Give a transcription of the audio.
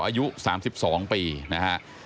อายุ๓๒ปีนะครับ